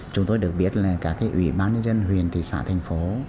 chúng tôi được biết là các ủy ban nhân dân huyền thị xã thành phố